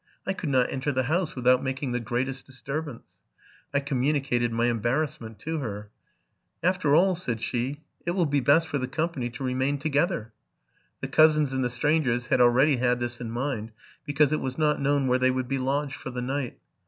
I could not enter the house without making the greatest disturbance. J communicated my embarrass ment to her. *: After all,'' said she, '* it will be best for the company to remain together.'' The cousins and the strangers had already had this in mind, because it was not known where they would be lodged for the night.